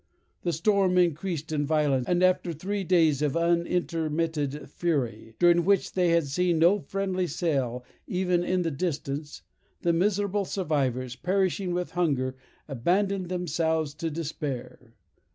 The storm increased in violence, and after three days of unintermitted fury, during which they had seen no friendly sail even in the distance, the miserable survivors, perishing with hunger, abandoned themselves to despair.